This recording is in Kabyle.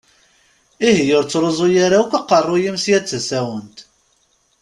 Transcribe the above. Ihi ur ttṛuẓu ara akk aqeṛṛu-m sya d tasawent!